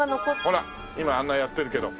ほら今あんなやってるけど。